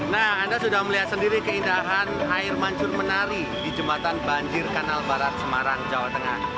nah anda sudah melihat sendiri keindahan air mancur menari di jembatan banjir kanal barat semarang jawa tengah